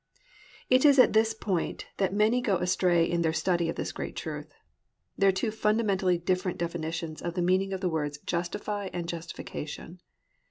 It is at this point that many go astray in their study of this great truth. There are two fundamentally different definitions of the meaning of the words "justify" and "justification."